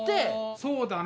そうだな。